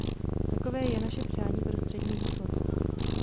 Takové je naše přání pro Střední Východ.